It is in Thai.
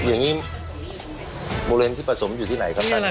อย่างนี้โบเรนที่ผสมอยู่ที่ไหนครับท่านครับ